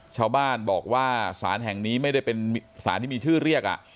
ชาวบ้านบอกว่าสารแห่งนี้ไม่ได้เป็นสารที่มีชื่อเรียก